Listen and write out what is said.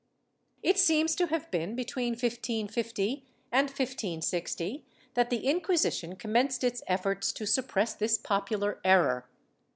It seems to have been between 1550 and 1560 that the Inquisition commenced its efforts to suppress this popular error.